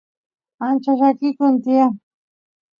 ancha llakikun tiyan